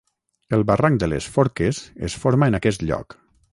El barranc de les Forques es forma en aquest lloc.